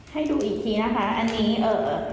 ให้ดูอีกทีนะคะอันนี้เอ่อ